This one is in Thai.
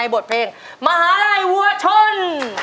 บทเพลงมหาลัยวัวชน